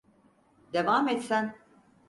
Devam et sen.